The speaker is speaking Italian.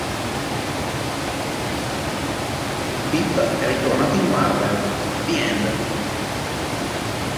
Pip è ritornato in "Marvel: The End" nn.